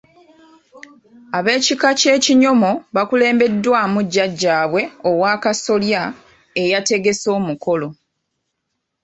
Ab’ekika ky’Ekinyomo baakulembeddwamu jjajjaabwe ow’Akasolya eyategese omukolo.